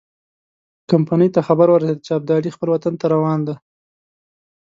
کمپنۍ ته خبر ورسېد چې ابدالي خپل وطن ته روان دی.